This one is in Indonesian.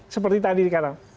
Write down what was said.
seperti tadi dikatakan